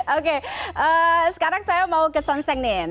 oke sekarang saya mau ke son sengnim